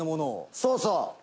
「そうそう」